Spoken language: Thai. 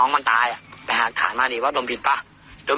เพราะเค้าจะเอาเรื่องโดม